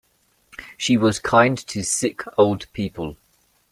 She was kind to sick old people.